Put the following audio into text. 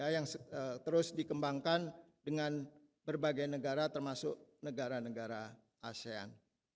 yang terus dikembangkan dengan berbagai negara termasuk negara negara asean